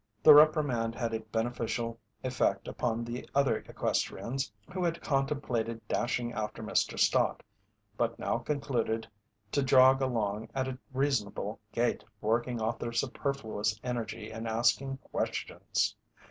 The reprimand had a beneficial effect upon the other equestrians, who had contemplated dashing after Mr. Stott, but now concluded to jog along at a reasonable gait, working off their superfluous energy in asking questions.